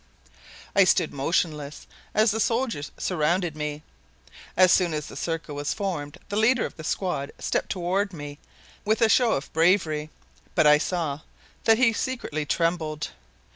I stood motionless as the soldiers surrounded me. As soon as the circle was formed the leader of the squad stepped toward me with a show of bravery, but I saw that he secretly trembled.